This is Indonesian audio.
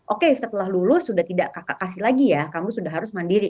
oke setelah lulus sudah tidak kasih lagi ya kamu sudah harus mengambil uang